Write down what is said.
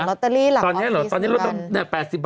๘๐บาทเขามีรูปที่ได้